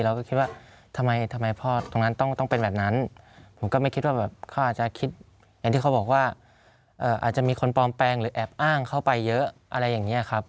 เราก็คิดว่าทำไมพ่อตรงนั้นต้องเป็นแบบนั้นผมก็ไม่คิดว่าแบบเขาอาจจะคิดอย่างที่เขาบอกว่าอาจจะมีคนปลอมแปลงหรือแอบอ้างเข้าไปเยอะอะไรอย่างนี้ครับ